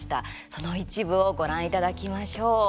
その一部をご覧いただきましょう。